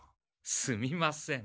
すみません。